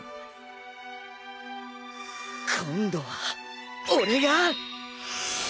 今度は俺が！